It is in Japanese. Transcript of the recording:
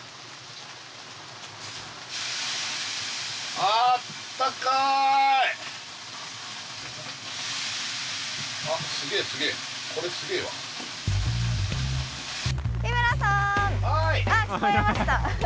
あっ聞こえました。